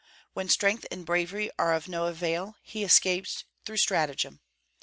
When strength and bravery are of no avail, he escapes through stratagem.